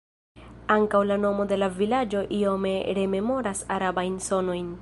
Ankaŭ la nomo de la vilaĝo iome rememoras arabajn sonojn.